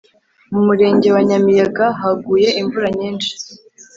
Mu murenge wa nyamiyaga haguye imvura nyinshi